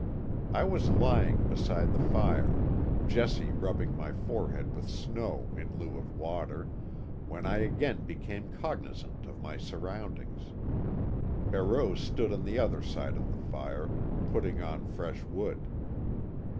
I was lying beside the fire, Jessie rubbing my forehead with snow in lieu of water, when I again became cognizant of my surroundings. Barreau stood on the other side of the fire, putting on fresh wood.